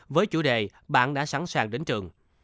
với chủ đề bạn đã sẵn sàng đến trường